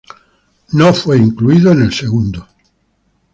No fue incluido en el segundo.